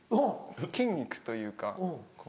筋肉というかこう。